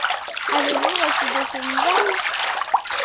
Avez-vous reçu de ses nouvelles ?